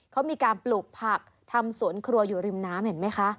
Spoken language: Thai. เขามีการปลูกผักทำสวนครัวอยู่ริมน้ำเห็นไหมคะ